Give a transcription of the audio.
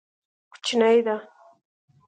کوچنی ده.